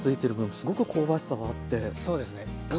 すごく香ばしさがあって。